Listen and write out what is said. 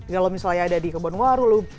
kalau misalnya ada di kebonwaru lho